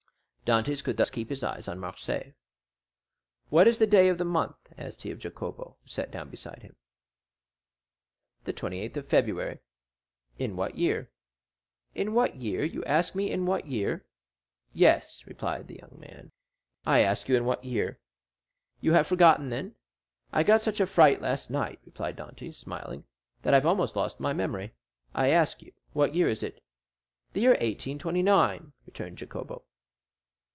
Dantès could thus keep his eyes on Marseilles. "What is the day of the month?" asked he of Jacopo, who sat down beside him. "The 28th of February." "In what year?" "In what year—you ask me in what year?" "Yes," replied the young man, "I ask you in what year!" "You have forgotten then?" "I got such a fright last night," replied Dantès, smiling, "that I have almost lost my memory. I ask you what year is it?" "The year 1829," returned Jacopo.